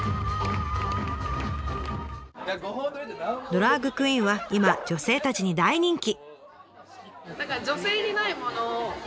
ドラァグクイーンは今女性たちに大人気。